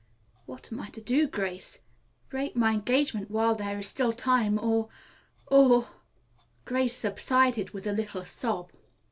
What am I to do, Grace? Break my engagement while there is still time or or " Arline subsided with a little sob.